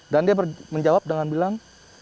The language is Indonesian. dan dia menjawab dengan bilang